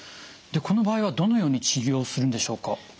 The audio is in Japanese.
この場合はどのように治療するんでしょうか？